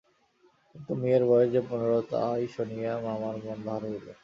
কিন্তু মেয়ের বয়স যে পনেরো, তাই শুনিয়া মামার মন ভার হইল।